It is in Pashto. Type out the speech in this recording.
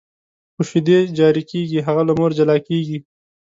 خو شیدې جاري کېږي، هغه له مور جلا کېږي.